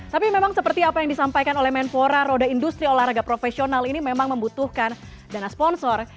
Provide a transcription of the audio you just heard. tapi memang seperti apa yang disampaikan oleh menpora roda industri olahraga profesional ini memang membutuhkan dana sponsor